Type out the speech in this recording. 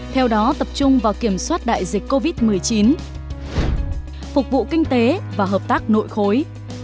theo đó tập trung vào kiểm soát đại dịch covid một mươi chín phục vụ kinh tế và hợp tác nội khối